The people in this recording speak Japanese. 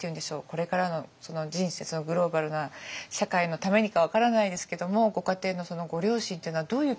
これからの人生グローバルな社会のためにか分からないですけどもご家庭のご両親っていうのはどういう気持ちで？